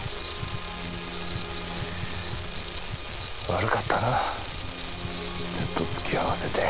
悪かったなずっと付き合わせて。